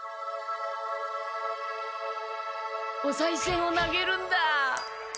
おさいせんを投げるんだ。